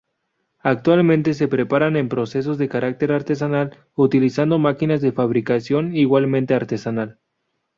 Actualmente se preparan en procesos de carácter artesanal, utilizando máquinas de fabricación igualmente artesanal.